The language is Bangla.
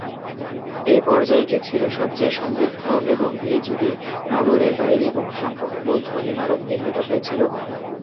এ পর্যায়টি ছিল সবচেয়ে সমৃদ্ধ এবং এ যুগে নগরের বাইরে বহুসংখ্যক বৌদ্ধ ইমারত নির্মিত হয়েছিল।